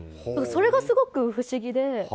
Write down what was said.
それがすごく不思議で。